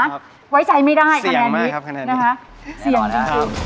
ครับไว้ใจไม่ได้เสี่ยงมากครับคะแนนนี้นะคะเสี่ยงจริงจริง